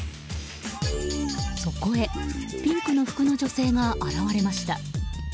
そこへピンクの服の女性が現われました。